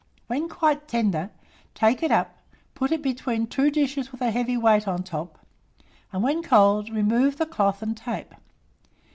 When quite tender, take it up, put it between 2 dishes with a heavy weight on the top, and when cold, remove the cloth and tape.